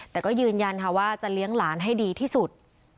แต่ก็ยืนยันค่ะว่าจะเลี้ยงหลานให้ดีที่สุด